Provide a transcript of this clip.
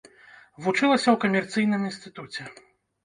Вучылася ў камерцыйным інстытуце.